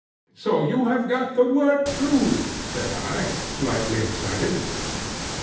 "So you have got the word too," said I, slightly excited.